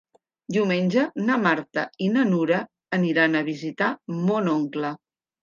Diumenge na Marta i na Nura aniran a visitar mon oncle.